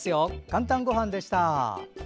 「かんたんごはん」でした。